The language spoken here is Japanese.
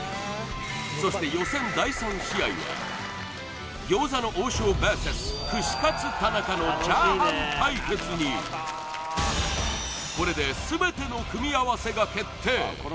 そして予選第３試合は餃子の王将ＶＳ串カツ田中のチャーハン対決にこれで全ての組み合わせが決定